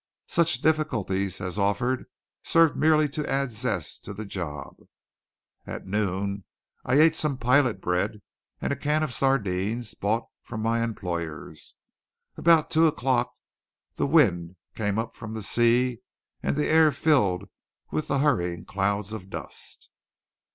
Such difficulties as offered served merely to add zest to the job. At noon I ate some pilot bread and a can of sardines bought from my employers. About two o'clock the wind came up from the sea, and the air filled with the hurrying clouds of dust.